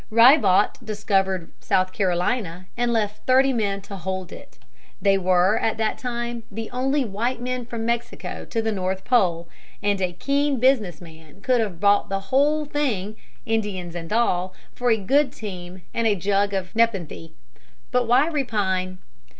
Ribaut discovered South Carolina, and left thirty men to hold it. They were at that time the only white men from Mexico to the North Pole, and a keen business man could have bought the whole thing, Indians and all, for a good team and a jug of nepenthe. But why repine?